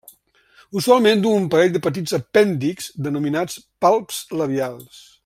Usualment du un parell de petits apèndixs denominats palps labials.